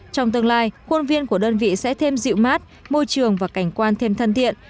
trong tương lai khuôn viên của đơn vị sẽ thêm dịu mát môi trường và cảnh quan thêm thân thiện